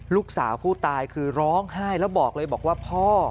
ลูกสาวผู้ตายคือร้องไห้แล้วบอกเลยบอกว่าพ่อ